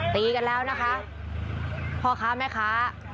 ตีกันแล้วนะคะความคะแม่ค่ะ